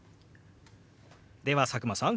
では佐久間さん